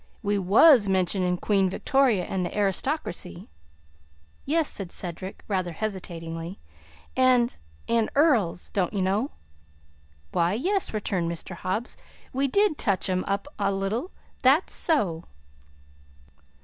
"We WAS mentioning Queen Victoria and the aristocracy." "Yes," said Cedric, rather hesitatingly, "and and earls; don't you know?" "Why, yes," returned Mr. Hobbs; "we DID touch 'em up a little; that's so!"